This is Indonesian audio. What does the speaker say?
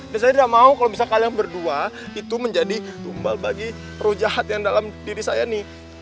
dan saya tidak mau kalau misalnya kalian berdua itu menjadi tumbal bagi rujahat yang dalam diri saya ini